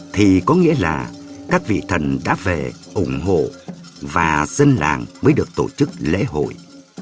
thì có nghĩa là các vị thần đã về ủng hộ và dân làng mới được tổ chức lễ hội